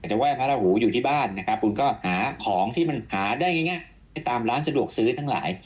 จะไหว้พระราหูอยู่ที่บ้านนะครับคุณก็หาของที่มันหาได้ง่ายตามร้านสะดวกซื้อทั้งหลาย